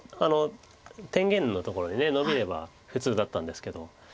天元のところにノビれば普通だったんですけど。